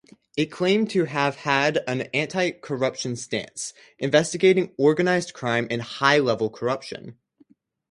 It claimed to have had an anti-corruption stance, investigating organized crime and high-level corruption.